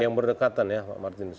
yang berdekatan ya pak martinus